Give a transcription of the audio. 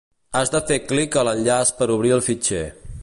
Has de fer clic a l'enllaç per obrir el fitxer